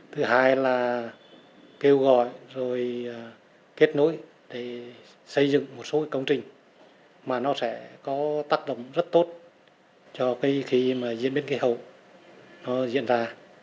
thứ hai là kêu gọi rồi kết nối để xây dựng một số công trình mà nó sẽ có tác động rất tốt cho khi mà diễn biến cây hậu nó diễn ra